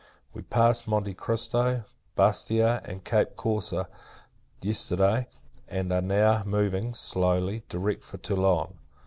We passed Monte Christo, Bastia, and Cape Corse, yesterday; and are now moving, slowly, direct for Toulon.